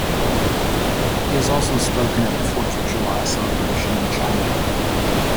He has also spoken at the Fourth of July celebration in China.